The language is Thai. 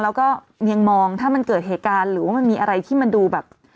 แล้วก็ยังมองถ้ามันเกิดเหตุการณ์หรือว่ามันมีอะไรที่มันดูแบบ